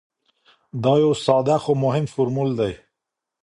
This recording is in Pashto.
دا یو ساده خو مهم فرمول دی.